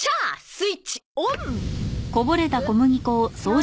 スイッチオン！